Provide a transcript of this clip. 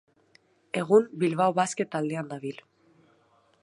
Egun Bilbao Basket taldean dabil.